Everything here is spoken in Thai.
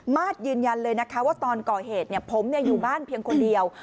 มาสยืนยันเลยนะคะว่าตอนก่อเหตุผมอยู่บ้านเพียงคนเดียว